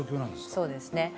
そうですね。